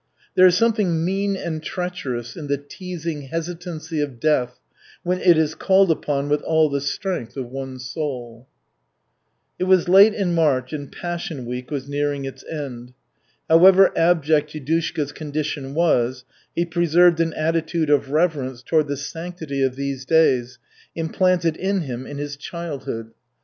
There is something mean and treacherous in the teasing hesitancy of death when it is called upon with all the strength of one's soul. It was late in March and Passion Week was nearing its end. However abject Yudushka's condition was, he preserved an attitude of reverence toward the sanctity of these days implanted in him in his childhood.